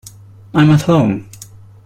I'm at home.